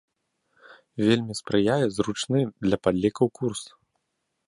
Вельмі спрыяе зручны для падлікаў курс.